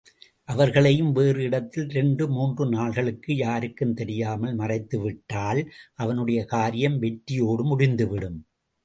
அவர்களையும் வேறு இடத்தில் இரண்டு மூன்று நாள்களுக்கு யாருக்கும் தெரியாமல் மறைத்துவிட்டால் அவனுடைய காரியம் வெற்றியோடு முடிந்துவிடும்.